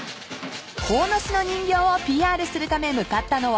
［鴻巣の人形をＰＲするため向かったのは］